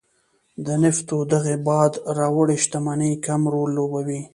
د نفتو دغې باد راوړې شتمنۍ کم رول لوبولی.